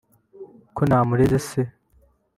ko ntamureze se